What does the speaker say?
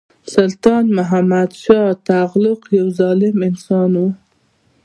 سلطان محمدشاه تغلق یو ظالم انسان وو.